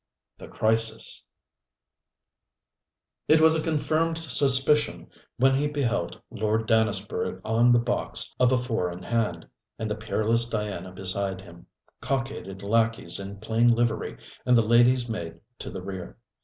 THE CRISIS It was a confirmed suspicion when he beheld Lord Dannisburgh on the box of a four in hand, and the peerless Diana beside him, cockaded lackeys in plain livery and the lady's maid to the rear.